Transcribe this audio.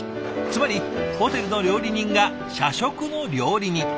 つまりホテルの料理人が社食の料理人。